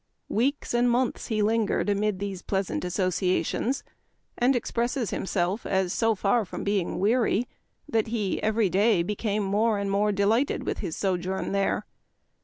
Weeks and months he lingered amid these pleasant associations, and expresses 3 34 Memoir of Washington Irving. himself as so far from being weary, that he every day became more and more delighted with his sojourn there.